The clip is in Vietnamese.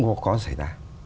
cũng có xảy ra